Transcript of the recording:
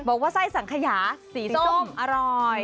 บอกว่าไส้สังขยาสีส้มอร่อย